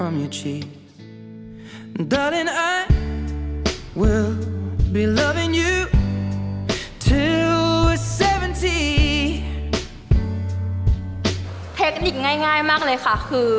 มั่วให้เป็นไม่มั่วค่ะ